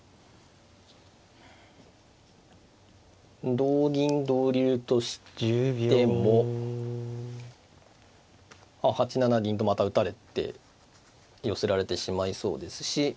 同銀同竜としても８七銀とまた打たれて寄せられてしまいそうですし。